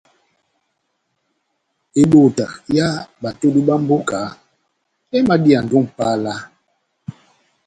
Ebota yá batodu bá mboka emadiyandi ó Mʼpala.